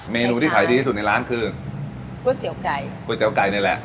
เมนูที่ขายดีที่สุดในร้านคือก๋วยเตี๋ยวไก่ก๋วยเตี๋ยไก่นี่แหละ